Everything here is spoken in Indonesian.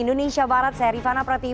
indonesia barat saya rifana pratiwi